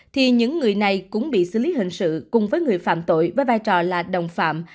thì những người này cũng bị xử lý hình sự cùng với người phạm tội với vai trò là đồng phạm